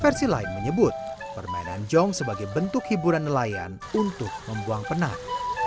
versi lain menyebut permainan jong sebagai bentuk hiburan nelayan untuk membuang penat